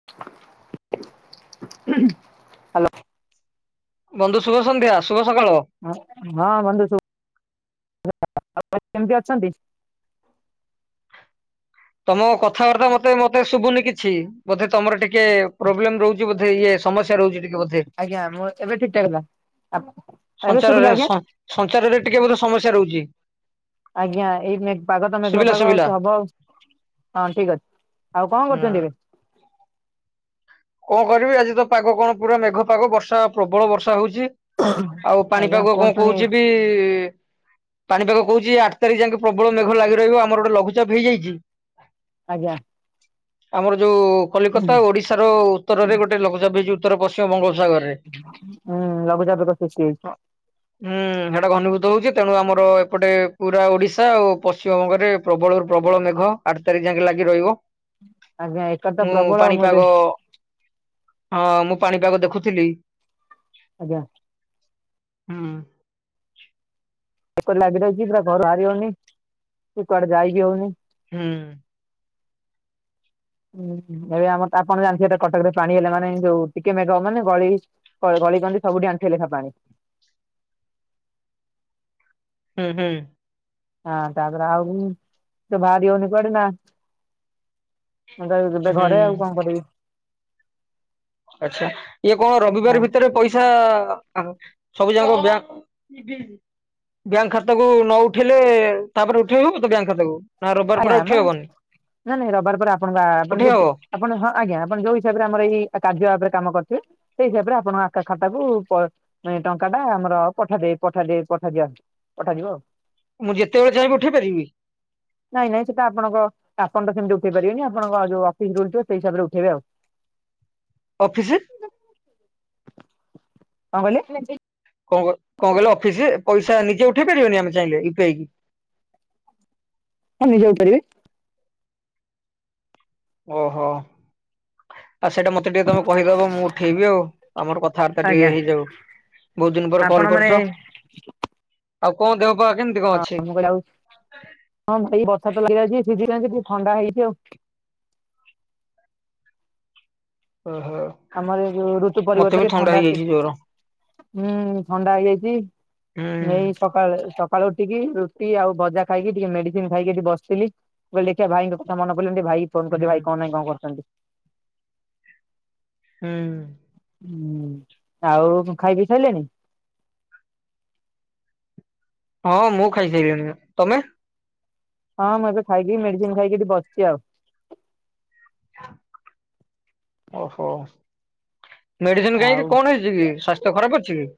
Hello. ବନ୍ଧୁ ଶୁଭ ସନ୍ଧ୍ୟା ଶୁଭ ସକାଳ। ହଁ, ହଁ ବନ୍ଧୁ ସବୁ ଆ କେମିତି ଅଛନ୍ତି? ତମ କଥାବାର୍ତ୍ତା ମତେ ମତେ ଶୁଭୁନି କିଛି ବୋଧେ ତମର ଟିକେ ପ୍ରୋବ୍ଲେମ ରହୁଛି ବୋଧେ। ଇଏ ସମସ୍ୟା ରହୁଛି ଟିକେ ବୋଧେ ଆଜ୍ଞା ମୁଁ ଏବେ ଠିକ୍ ଟା ହେଲା ଏବେ ଶୁଭିଲା ଆଜ୍ଞା। ସଂସାରରେ ଟିକେ ବୋଧେ ସମସ୍ୟା ରହୁଛି। ଆଜ୍ଞା ଏଇ ମେ ପାଗ ତ ମେଘୁଆ ଶୁଭିଲା ପାଗ ଆଉ ଶୁଭିଲା ହବ ଆଉ ହଁ ଠିକ୍ ଅଛି। ଆଉ କଣ କରୁଛନ୍ତି ଏବେ? କଣ କରିବି ଆଜି ତ ପାଗ କଣ ପୁରା ମେଘ ପାଗ ବର୍ଷା ପ୍ରବଳ ବର୍ଷା ହଉଛି। ଆଉ ଆଜ୍ଞା ପାଣିପାଗ କଣ କୁହନ୍ତୁନି କହୁଛି ବି? ପାଣିପାଗ କହୁଛି ଆଠ୍ ତାରିଖ ଯାକେଁ ପ୍ରବଳ ମେଘ ଲାଗି ରହିବ ଆମର ଗୋଟେ ଲଘୁଚାପ ହେଇଯାଇଛି। ଆଜ୍ଞା। ଆମର ଯୋଉ କଲିକତା ହୁଁ ଓଡିଶାର ଉତ୍ତରରେ ଗୋଟେ ଲଘୁଛାପ ହେଇ ଯୋଉ ଉତ୍ତର ପଶିମବଙ୍ଗୋପସାଗରରେ। ହୁଁ ଲଘୁଚାପ ତ ସୃଷ୍ଟି ହୋଇଛି। ହୁଁ ହେଟା ଘନୀଭୂତ ହଉଛି ତେଣୁ ଆମର ଏପଟେ ପୁରା ଓଡିଶା ଆଉ ପଶ୍ଚିମବଙ୍ଗରେ ପ୍ରବଳରୁ ପ୍ରବଳ ମେଘ ଆଠ ତାରିଖ ଯାଙ୍କେ ଲାଗି ରହିବ ଆଜ୍ଞା ଏକର ତ ମୁଁ ପ୍ରବଳ ଏବେ ପାଣିପାଗ ହଁ ମୁଁ ପାଣିପାଗ ଦେଖୁଥିଲି। ଆଜ୍ଞା। ହୁଁ। ଏପରି ଲାଗି ରହିଛି ପୁରା ଘରୁ ବାହାରି ହଉନି କି କୁଆଡେ ଯାଇ ହଉନି। ହୁଁ ହୁଁ ଏବେ ଆମର ତ ଆପଣ ଜାଣିଥିବେ କଟକରେ ପାଣି ହେଲେ ମାନେ ଯୋଉ ଟିକେ ମେଘ ହବ ମାନେ ଗଳି କଳ ଗଳିିକନ୍ଦୀ ସବୁଠି ଆଣ୍ଠିଏ ଲେଖା ପାଣି। ହୁଁ, ହୁଁ, ହଁ ତାପରେ ଆଉ ତ ବାହାରି ହଉନି କୁଆଡେ ନା ଏବେ ହୁଁ ଘରେ ଆଉ କଣ କରିବି? ଆଚ୍ଛା ଇଏ କଣ ଆ ରବିବାର ଭିତରେ ପଇସା ଆଚ୍ଛା ସବୁ ଜାକ ବ୍ୟାଙ୍କ୍ ବ୍ୟାଙ୍କ ଖାତାକୁ ନ ଉଠେଇଲେ ତାପରେ ଉଠେଇ ହବ ତ ବ୍ୟାଙ୍କ ଖାତାକୁ? ନା ରବିବାର ଆଜ୍ଞା ପରେ ପା ଉଠେଇ ହବନି ନାଇଁ ନାଇଁ ରବିବାର ପରେ ଆପଣଙ୍କ ଆ ଆପଣ ଉଠେଇ ହବ ଟି ଆପଣ ହଁ ଆଜ୍ଞା ଆପଣ ଯୋଉ ହିସାବରେ ଆମର ଏଇ କାର୍ଯ୍ୟ ଭାବରେ କାମ କରିଥିବେ ସେଇ ହିସାବରେ ଆପଣଙ୍କ ଆ ଖାତାକୁ ପ ଟଙ୍କା ଟା ଆମର ପଠା ଦେଇ ପଠା ଦେଇ ପଠା ଦିଆ ହୁଏ। ପଠାଯିବ ଆଉ। ମୁଁ ଯେତେବେଳେ ଚାହିଁବି ଉଠେଇ ପାରିବି। ନାଇଁ ନାଇଁ ସେଟା ଆପଣଙ୍କ ଆପଣ ତ ସେମତି ଉଠେଇ ପାରିବେନି ଆପଣଙ୍କ ଯୋଉ ଅଫିସ୍ ରୁଲ୍ ଥିବ ସେଇ ହିସାବରେ ଉଠେଇବେ ଆଉ। [unintelligible] ଅଫିସି କଁ କିହିଲେ? କଣ କଣ କିହିଲେ ଅଫିସି ପଇସା ନିଜେ ଉଠେଇ ପାରିବାନି ଆମେ ଚାହିଁଲେ ୟୁ ପିଆଇ କି? ହଁ ନିଜେ ହୋଇ ପାରିବେ। ଓହୋ ଆଉ ସେଇଟା ମତେ ଟିକେ ତମେ କହିଦବ ମୁଁ ଉଠେଇବି ଆଉ। ଆମର କଥାବାର୍ତା ଆଜ୍ଞା ଟିକେ ହେଇଯାଉ ବହୁତ ଦିନ ପରେ ଆପଣ କଲ ମାନେ କରୁଛ। ଆଉ କଣ ଦେହ ପାହା କେମିତି? ହଁ ମୁଁ କହିଲି ଆଉ ହଁ ଭାଇ ବର୍ଷା ତ ଲାଗି ରହିଛି ଭିଜିଯାଇକି ଥଣ୍ଡା ହେଇଛି ଆଉ। ଓହୋ ଆମର ଏ ଯୋଉ ଋତୁ ମତେ ବି ପରିବର୍ତ୍ତନ ଥଣ୍ଡା ହେଇଯାଇଛି ଜୋର ହୁଁ ଥଣ୍ଡା ହେଇଯାଇଛି ହୁଁ ହେଇ ସକାଳେ ସକାଳୁ ଉଠିକି ରୁଟି ଆଉ ଭଜା ଖାଇକି ଟିକେ ମେଡିସିନ୍ ଖାଇକି ଏଠି ବସିଥିଲି। ମୁ କହିଲି ଦେଖିଆ ଭାଇଙ୍କ କଥା ମନେ ପଡିଲାଣି ଟିକେ ଭାଇ ଫୋନ କରି ହୁଁ ଦିଏ ଭାଇ କଣ ନାଇଁ କଣ କରଛନ୍ତି? ହୁଁ ହୁଁ ଆଉ କନ୍ ଖାଇ ପି ସାରିଲଣି ହଁ ମୁଁ ଖାଇସାଇଲିନି ତମେ ହଁ ମୁଁ ଏବେ ଖାଇକି ମେଡିସିନ ଖାଇକି ଏଠି ବସିଛି ଆଉ ଓହୋ ମେଡିସିନ ଆଉ କାହିଁକି କଣ ହେଇ କି ସ୍ୱାସ୍ଥ୍ୟ ଖରାପ ଅଛି କି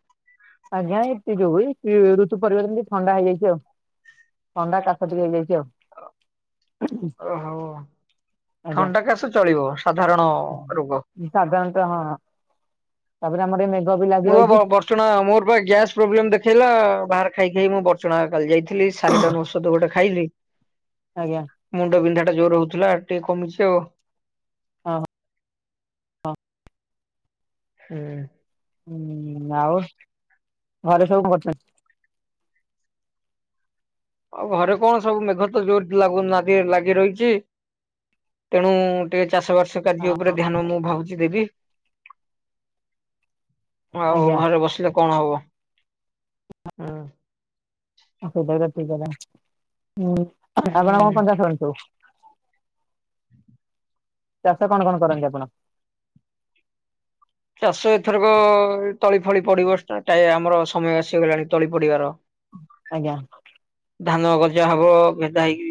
ଆଜ୍ଞା ଏତେ ଯୋଉୁଇ ଋତୁ ପରିବର୍ତ୍ତନ କୁ ଥଣ୍ଡା ହେଇଯାଇଛି ଆଉ ଥଣ୍ଡା କାଶ ଟିକେ ହେଇଯାଇଛି ଆଉ ଓହୋ ଆଜ୍ଞା। ଥଣ୍ଡା କାଶ ଚଳିବ ସାଧାରଣ ରୋଗ। ସାଧାରଣତଃ ହଁ ତାପରେ ଆମର ଏ ବି ଲାଗି ମୁଁ ବା ରହିଛି ବର୍ଚଣା ମୋର ଗ୍ୟାସ୍ ପ୍ରୋବ୍ଲେମ ଦେଖେଇଲା ବାହହାର ଖାଇ ଖାଇ ମୁଁ ବର୍ଚ୍ଚଣା କାଲି ଯାଇଥିଲି ଥିଲ ସାରି ଟନ ଔଷଧ ଗୋଟେ ଖାଇଲି ଆଜ୍ଞା ମୁଣ୍ଡ ବିନ୍ଧା ଟା ଜୋର ହଉଥିଲା ଟିକେ କମିଛି ଆଉ ଓହ ହଁ ହୁଁ ହୁଁ ଆଉ ଘରେ ସବୁ କ କରୁଛନ୍ତି ଆଉ ଘରେ କଣ ସବୁ ମେଘ ତ ଜୋର ଲାଗୁନାହାନ୍ତି ଲାଗି ରହିଛି ତେଣୁ ଟିକେ ଚାଷବାର୍ସ କାର୍ଯ୍ୟ ଉପରେ ଧ୍ୟାନ ମୁଁ ଭାବୁଛି ଦେବି ଆଉ ଆଜ୍ଞା ଘରେ ବସିଲେ କଣ ହବ ହୁଁ ସେଟା ବି ତ ଠିକ୍ କଥା ଉଁ ଆପଣ କଣ ହୁଁ। ପଞ୍ଜା ଖେଲନ୍ତୁ ଚାଷ କଣ କଣ କରନ୍ତି ଆପଣ? ଚାଷ ଏଥରକ ତଳି ଫଳି ପଡିବ ଷ୍ଟା ଟା ଆମର ସମୟ ଆସିଗଲାଣି ତଳି ପଡିବାର ଆଜ୍ଞା ଧାନ ଗଜା ହବ ଭେଦା ହେଇକି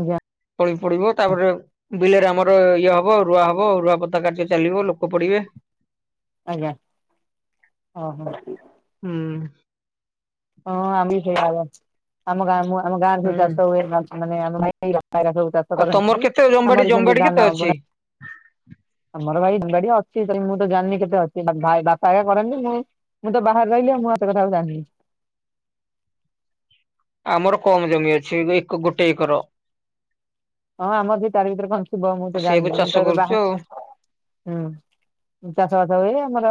ଆଜ୍ଞା ତଳି ପଡିବ ତାପରେ ବିଲରେ ଆମର ଇଏ ହବ ରୁୁଆ ହବ ରୁଆ ପତା କାର୍ଯ୍ୟ ଚାଲିବ ଲୋ ଆଜ୍ଞା ଓ ହୋ ହୁଁ ହଁ ଆମ ବି ସେଇଆ ହବ ଆମ ଗାଁ ମୁଁ ଆମ ଗାଁରେ ସବୁ ହୁଁ। ଚାଷ ହୁଏ ବାଞ୍ଚ ମାନେ ଆମ [unintelligible] ଚାଷ ଆଉ ତମର କରନ୍ତି କେତେ ଜମିବାଡି ଆମର ବି ସେମତି ଜମିବାଡି କେତେ ଧାନ ଅଛି? ବୁନା ଆମର ଭାଇ ଜମି଼ ବାଡି ଅଛି ମୁଁ ତ ଜାଣିନି କେତେ ଅଛି ବା ଭାଇ ବାପା ଏକା କରନ୍ତି ମୁ ମୁଁ ତ ବାହାରେ ରହିଲି ଆଉ ମୁଁ ଏତେ କଥାକୁ ଜାଣିନି ଆମର କମ ଜମି ଅଛିଏବେ ଏକ ଗୋଟେ ଏକର ହଁ ଆମର ବି ତାର ଭିତରେ କଣ ଥିବ ମୁଁ ତ ସେଇଆକୁ ଜାଣିନି ମୁଁ ଚାଷ ତ ଏବେ କରୁଛୁ ବାହା ଆଉ। ହୁଁ ଚାଷ ବାସ ହୁଏ ଆମର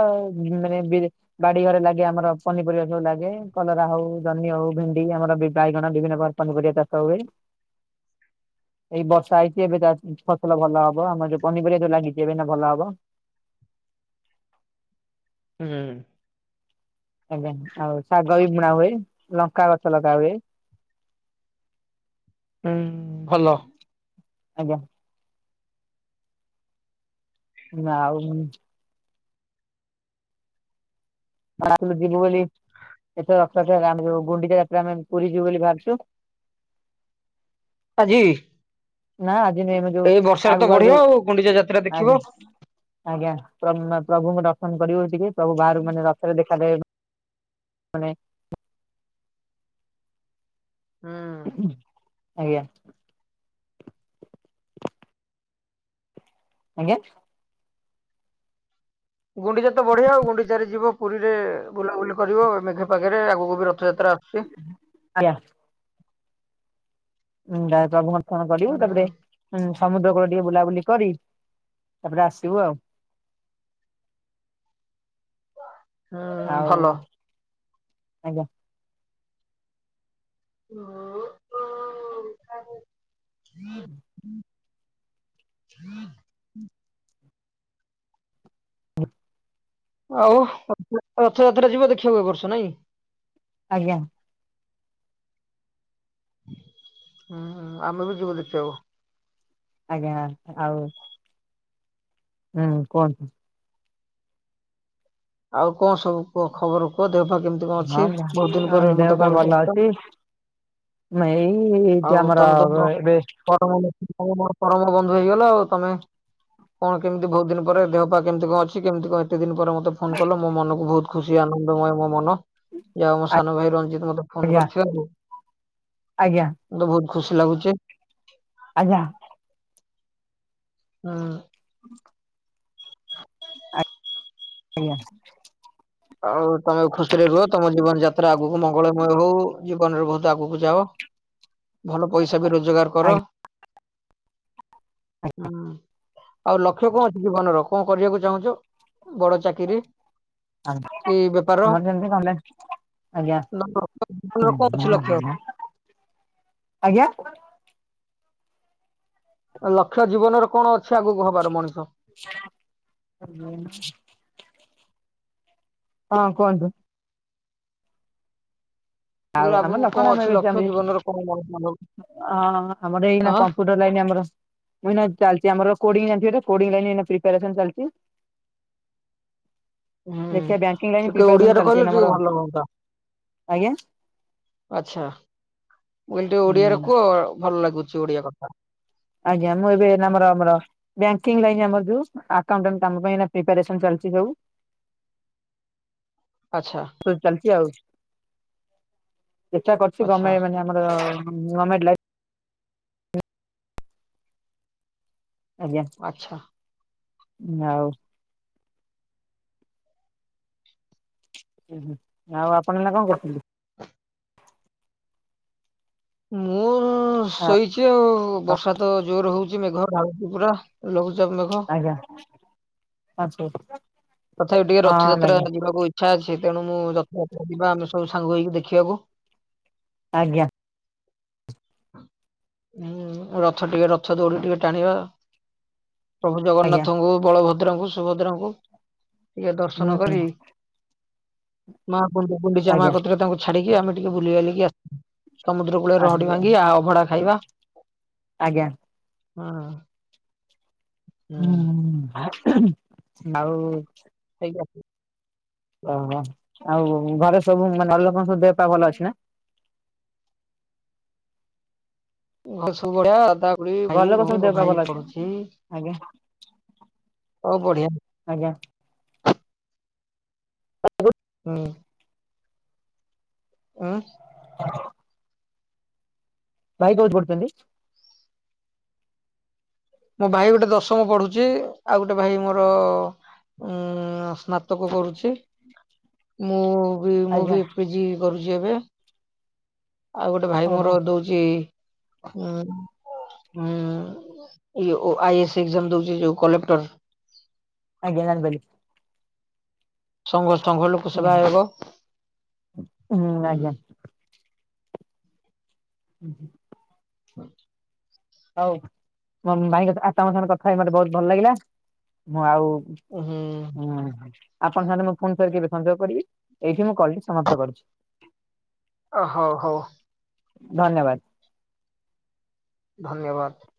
ମାନେ ବି ବାଡି ଘରେ ଲାଗେ ଆମର ପନିପରିବା ସବୁ ଲାଗେ କଲରା ହଉ ଜନି ହଉ ଭେଣ୍ଡି ଆମର ବିବାଇଗଣ ବିଭିନ୍ନ ପ୍ରକାର ପନିପରିବା ଚାଷ ହୁଏ। ଏଇ ବର୍ଷା ହେଇଛି ଏବେ ଚା ଫସଲ ଭଲ ହବ ଆମର ଯୋଉ ପନିପରିବା ଯୋଉ ଲାଗିଛି ଏବେ ନା ଭଲ ହବ ହୁଁ ଆଜ୍ଞା ଆଉ ଶାଗ ବି ବୁଣା ହୁଏ ଲଙ୍କା ଗଛ ଲଗା ହୁଏ। [inaudible] ହୁଁ ଫଲ ଆଜ୍ଞା ନା ଆଉ ମୁ ଆଶୁନୁ ଯିବୁ ବୋଲି ଏଥର ରଥଯାତ୍ରାରେ ଆମେ ଯୋଉ ଗୁଣ୍ଡିଚା ଯାତ୍ରା ଆମେ ପୁରୀ ଯିବୁ ବୋଲି ଭାବୁଛୁ ହଜି ନା ଆଜିିନ ଏମ ଯଉ ତ ଆଗୁଆ ବଢିଆ ଯଉ ଆଉ ଗୁଣ୍ଡିଚା ଯାତ୍ରା ଦେଖିବ। ଆ୍ଞ ଆଜ୍ଞା ପ୍ରଭୁ ପ୍ରଭୁଙ୍କୁ ଦର୍ଶନ କରିବ ଟିକେ ପ୍ରଭୁ ବାହାରୁ ମାନେ ର ଥରେ ଦେଖାଦେ ମାନେ ହୁଁ ଆଜ୍ଞା। ଆଜ୍ଞା। ଗୁଣ୍ଡିଚା ତ ବଢିଆ ଆଉ ଗୁଣ୍ଡି ଚାରେ ଯିବ ପୁରୀରେ ବୁଲାବୁଲି କରିବ ମେଘ ପାଖରେ ଆଗକୁ ବି ରଥଯାତ୍ରା ଆସୁଛି ହ୍ୟାଲୋ। ଡାଏଟେ ଅର୍ପଣ କରିବୁ ହୁଁ ତାପରେ ହୁଁ ସମୁଦ୍ର କୂଳ ଟିକେ ବୁଲାବୁଲି କରି ତାପରେ ଆସିବୁ ଆଉ ହୁଁ ଆଉ ଭଲ। ଆଜ୍ଞା। ହୁଁ [unintelligible] ହୁଁ ହଁ [inaudible] [unintelligible] ଆଉ ରଥଯାତ୍ରା ଯିବ ଦେଖିବାକୁ ଏବର୍ଷ ନାଇଁ? ଆଜ୍ଞା ହୁଁ ହୁ ଆମେ ବି ଯିବୁ ଦେଖିବାକୁ ଆଜ୍ଞା ଆଉ ହୁଁ କୁହନ୍ତୁ ଆଉ କଣ ସବୁ କୁହ ଖବର କୁହ ଦେହ ପାଖ କେମିତି କଣ ହଁ ଅଛି ବହୁତ ଦିନ ହଁ ପରେ ମତେ କଲ୍ କରିଚ,। ନ ଏଇ ଯେ ଆଉ ତମେ ତ ଆମରବେ ମୋର ଏବେ ପରମ [unintelligible] ତମେ ମୋର ପରମ ବନ୍ଧୁ ହେଇଗଲ ଆଉ ତମେ କଣ କେମିତି ବହୁତ୍ ଦିନ ପରେ ଦେହ ପା କେମିତି କଣ ଅଛି କେମିତି କଣ? ଏ ତେ ଦିନ ପରେ ମତେ ଫୋନ କଲ ମୋ ମନକୁ ବହୁତ ଖୁସି ଆନନ୍ଦମୟ ମୋ ମନ ଯାହାଉ ମୋ ସାନ ଭାଇ ରଞ୍ଜି ତ ମତେ ଫୋନ୍‌ ଆଜ୍ଞା କରିଥିବା ରୁ ଆଜ୍ଞା ମତେ ବହୁତ ଖୁସି ଲାଗୁଚି। ଆଜ୍ଞା ହଁ। ଉଁ। [unintelligible] ଆଉ କଣ ଖୁସିରେ ରୁହ। ତମ ଜୀବନ ଯାତ୍ରା ଆଗୁକୁ ମଙ୍ଗଳମୟ ହଉ। ଜୀବନରେ ବହୁତ ଆଗୁକୁ ଯାଅ। ଭଲ ପଇସା ବି ରୋଜଗାର କର ଆଜ୍ଞା। ହୁଁ। ଆଉ ଲକ୍ଷ୍ୟ କଣ ଅଛି ଜୀବନର କଣ କରିବାକୁ ଚାହୁଁଚ ବଡ଼ ଚାକିରି? ଆ ମର କି ବେପାର? କେମତି କଣ ହେଲା? ଜୀବନର କଣ ଅଛି ଆଜ୍ଞା ଲକ୍ଷ୍ୟ [unintelligible] ଆଜ୍ଞା? ଲକ୍ଷ୍ୟ ଜୀବନର କଣ ଅଛି ଆଗକୁ ହବାର ମଣିଷ? ହ ହଁ କୁହନ୍ତୁ। ମୁଁ କହିଲି ଆଉ ଆମମାନେ ଆଗକୁ କଣ ଲକ୍ଷ୍ମଣମୟ ଅଛି ହେଇଚୁ ଲକ୍ଷ୍ୟ ଆମେ। ଜୀବନର କଣ ମଣିଷ ଆଁ ବୋଧେ ଏଇନା ଆଁ କମ୍ପୁଟ୍ ବେଲାଇନି ଆମର। ଏଇନା ଚାଲଚି ଆମର କୋଡିଂ ଜାଣିଥିବେ ତ କୋଡିଂ ଲାଇନ୍ ଏଇନା ପ୍ରିପେୟାରେସନ୍ ଚାଲଚି। ହୁଁ ଦେଖିବା ବ୍ୟାଙ୍କିଙ୍ଗ ଲାଇନ ଟିକେ ପ୍ରିପାରେସନ ଓଡିଆରେ ଚାଲିଛି କହିଲେ ଏଇନା ଟିକେ ଆମର ଭଲ ହୁଅନ୍ତା। ଆଜ୍ଞା ଆଚ୍ଛା ମୁ କହିଲି ଟିକେ ଓଡିଆରେ ହୁଁ କୁଅ ଭଲ ଲାଗୁଚି ଓଡିଆ କଥ୍ ଆଜ୍ଞା ମୁଁ ଏବେ ନାମର ଆମର ବ୍ୟାଙ୍କିଙ୍ଗ୍ ଲାଇନ୍ ଆମର ଯୋଉ ଆକାଉଣ୍ଟାଣ୍ଟ୍ କାମ ପାଇଁ ଏଇନା ପ୍ରିପେୟାରେସନ୍ ଚାଲିଚି ଯୋଉ ଆଚ୍ଛା। ଫୁଲ୍ ଚାଲିଚି ଆଉ ଚେଷ୍ଟା କରଚି ଆଚ୍ଛା ଗମେଣ୍ଟ୍ ମାନେ ଆମର ନର୍ମାଲ ଲାଇଫ୍ ଆଜ୍ଞା। ଆଚ୍ଛା। ନା ଆଉ। ଉ ହୁ ଆଉ ଆପଣମାନେ କଣ କରୁଛନ୍ତି? ମୁଁ ହଁ ଶୋଇଚି ଆଉ ବର୍ଷା ତ ଜୋରରେ ହଉଚି ମେଘ ଢାଳୁଚି ପୁରା। ଲଘୁଚାପ ମେଘ ଆଜ୍ଞା ଆଚ୍ଛା। ତଥାପି ଟିକେ ରଥଯାତ୍ରା ଯିବାକୁ ଇଚ୍ଛା ଅଛି। ତେଣୁ ମୁଁ ରଥଯାତ୍ରା ଯିବା ଆମେ ସବୁ ସାଙ୍ଗ ହେଇକି ଦେଖିବାକୁ। ଆଜ୍ଞା। ହୁଁ ରଥ ଟିକେ ରଥ ଦୌଡି ଟିକେ ଟାଣିବା। ପ୍ରଭୁ ଆଜ୍ଞା ଜଗନ୍ନାଥଙ୍କୁ ବଳଭଦ୍ରଙ୍କୁ ସୁଭଦ୍ରାଙ୍କୁ ଟିକେ ଦର୍ଶନ ହୁଁ କରି ମା ଗୁଣ୍ଡି ଗୁଣ୍ଡିଚା ମା ଆଜ୍ଞା କତିରେ ତାଙ୍କୁ ଛାଡିକି ଆମେ ଟିକେ ବୁଲିିବାଲିକି ଆସ୍ ସମୁଦ୍ର କୂଳରେ ଲହଡି ଆଜ୍ଞା ଭାଙ୍ଗିଆ ଆଉ ଅଭଡା ଖାଇବା। ଆଜ୍ଞା। ହଁ। ହୁଁ ହୁଁ ଆଉଉ। ଖାଇକରି ଆସୁଚି। ଓହୋ ଆଉ ଘରେ ସବୁ ମାନେ ଘରଲୋକଙ୍କ ସବୁ ଦେହ ପା ଭଲ ଅଛି ନା? ଘରେ ସବୁ ବଡ଼ ଅଦା ଖୁଡି ଘର ଲୋକ ଭାଇଭଉଣୀ ସବୁ ଦେହ ମୋ ପା ଭାଇ ଭଲ ଏଠି ଅଛି ନା? ପଢୁଛି। ଆଜ୍ଞା। ହଉ ବଢିଆ। ଆଜ୍ଞା। [unintelligible] ହୁଁ। ଉଁ। ଭାଇ କୋଉଠି ପଢୁଛନ୍ତି। ମୋ ଭାଇ ଗୋଟେ ଦଶମ ପଢୁଚି ଆଉ ଗୋଟେ ଭାଇ ମୋର ଉଁ ସ୍ନା ସ୍ନାତକ କରୁଚି। ମୁଁ ବି ମୁଁ ଆଜ୍ଞା ବି ପିଜି କରୁଚି ଏବେ। ଆଉ ଗୋଟେ ଭାଇ ମୋର ଓହୋ ଦଉଚି ହୁଁ ହଁ ଆଇ ଏସ୍ ଏଜାମ ଦଉଛି ଯୋଉ କଲେକ୍ଟର। ଆଜ୍ଞା ଜାଣି ପାରିଲି। ସଂଘ ସଂଘ ଲୋକ ସେବା ହୁଁ ଆୟୋଗ ହୁଁ ହୁଁ। ଆଜ୍ଞା [inaudible] ହଉ ମୋ ଭାଇଙ୍କ ଆପଣଙ୍କ ସାଙ୍ଗରେ କଥା ହେଇି ମତେ ବହୁତ ଭଲ ଲାଗିଲା। ମୁଁ ଆଉ ଓହୋ। ହୁଁ ଆପଣ ସାଙ୍ଗରେ ମୁଁ ଫୋନ୍ ସରି କେବେ ସଂଯୋଗ କରିବି ଏଇଠି ମୁଁ କଲ ଟି ସମାପ୍ତ କରିୁଛି। ଓ ହଉ ହଉ। ଧନ୍ୟବାଦ। ଧନ୍ୟବାଦ।